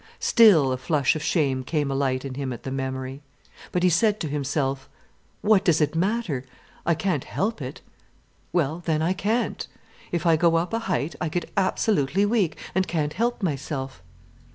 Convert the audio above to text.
Still, a flush of shame came alight in him at the memory. But he said to himself: "What does it matter?—I can't help it, well then I can't. If I go up a height, I get absolutely weak, and can't help myself."